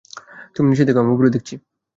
তুমি নিচে দেখ, আমি উপরে দেখছি।